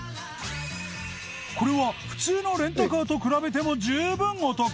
これは普通のレンタカーと比べても十分お得